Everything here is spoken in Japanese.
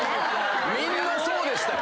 みんなそうでしたよ。